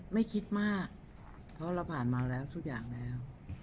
ไม่คิดมากเพราะเราผ่านมาแล้วทุกอย่างแล้ว